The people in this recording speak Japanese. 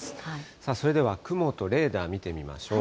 さあ、それでは雲とレーダー、見てみましょう。